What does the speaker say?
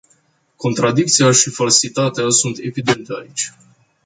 Contradicția și falsitatea sunt evidente aici.